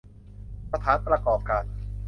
สถานประกอบการ